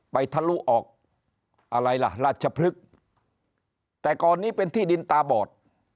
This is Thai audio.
ทะลุออกอะไรล่ะราชพฤกษ์แต่ก่อนนี้เป็นที่ดินตาบอด